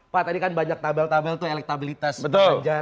pak tadi kan banyak tabel tabel tuh elektabilitas ganjar